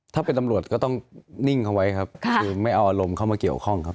ถ้าเป็นตำรวจก็ต้องนิ่งเขาไว้ครับคือไม่เอาอารมณ์เข้ามาเกี่ยวข้องครับ